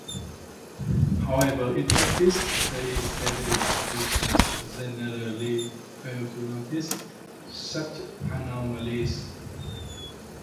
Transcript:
However, in practice, there is evidence users generally fail to notice such anomalies.